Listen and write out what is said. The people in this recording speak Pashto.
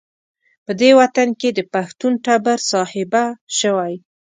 په دې وطن کې د پښتون ټبر بې صاحبه شوی.